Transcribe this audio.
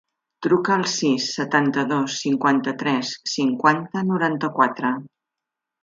Truca al sis, setanta-dos, cinquanta-tres, cinquanta, noranta-quatre.